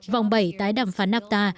vòng bảy tái đàm phán nafta